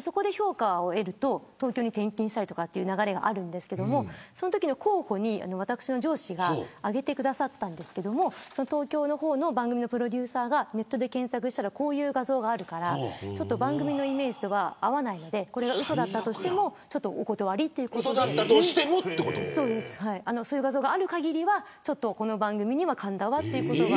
そこで評価を得ると東京で転勤したりというのがあるんですがそのときの候補に、私の上司が挙げてくださったんですけど東京の番組のプロデューサーがネット検索したらこういう画像があるから番組のイメージと合わないのでこれがうそだったとしてもお断りということでそういう画像があるかぎりはこの番組には神田はということが。